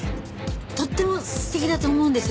とっても素敵だと思うんですよ